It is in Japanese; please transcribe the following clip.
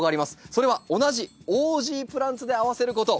それは同じオージープランツで合わせること。